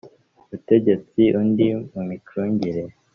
butegetsi undi mu micungire